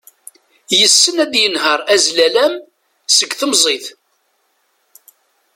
Yessen ad yenher azlalam seg temẓit.